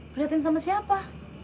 prihatin sama siapa